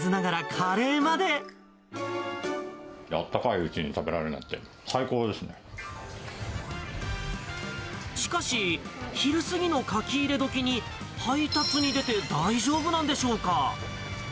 あったかいうちに食べられるしかし、昼過ぎの書き入れ時に、配達に出て大丈夫なんでしょうか。